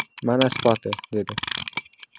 Mana isboti! — dedi.